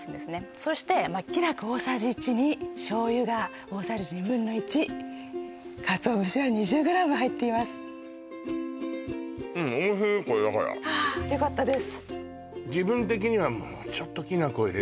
そしてきな粉大さじ１に醤油が大さじ２分の１かつお節は２０ｇ入っていますああよかったです